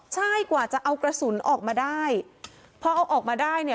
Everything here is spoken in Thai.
ใช่กว่าจะเอากระสุนออกมาได้พอเอาออกมาได้เนี่ย